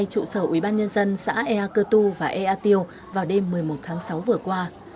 hai trụ sở ủy ban nhân dân xã ea cơ tu và ea tiêu vào đêm một mươi một tháng sáu vừa qua